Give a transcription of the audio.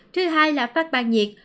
thứ hai là phát ban nhiệt